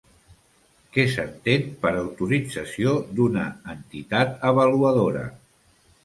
Què s'entén per autorització d'una entitat avaluadora?